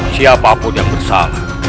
siapapun yang bersalah